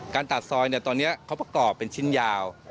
การตัดซอยตอนนี้เขาประกอบเป็นชิ้นยาว